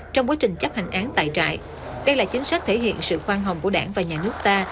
trong quá trình chấp hành án tại trại đây là chính sách thể hiện sự khoan hồng của đảng và nhà nước ta